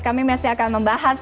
kami masih akan membahas